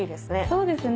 そうですね。